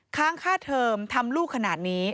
ค้างค่าเทอมทำลูกขนาดนี้